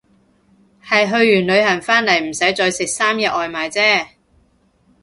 係去完旅行返嚟唔使再食三日外賣姐